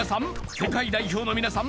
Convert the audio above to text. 世界代表のみなさん